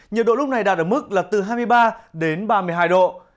nhiệt độ lúc này đạt ở mức là từ hai mươi ba đến ba mươi hai độ